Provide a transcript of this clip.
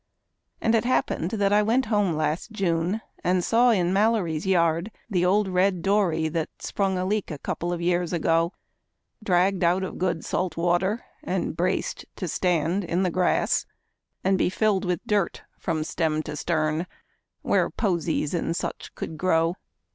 And it happened that I went home last June, and saw in Mallory's yard The old red dory that sprung a leak a couple of years ago, Dragged out of good salt water and braced to stand in the grass And be filled with dirt from stem to stern, where posies and such could grow.